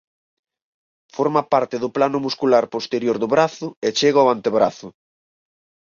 Forma parte do plano muscular posterior do brazo e chega ao antebrazo.